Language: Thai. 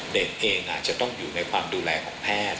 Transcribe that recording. เด็กเองอาจจะต้องอยู่ในความดูแลของแพทย์